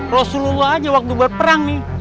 rasulullah aja waktu buat perang nih